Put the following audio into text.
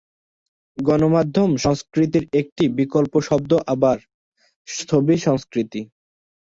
গণমাধ্যম সংস্কৃতির একটি বিকল্প শব্দ আবার "ছবি সংস্কৃতি"।